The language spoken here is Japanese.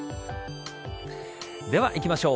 では、いきましょう。